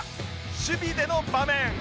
守備での場面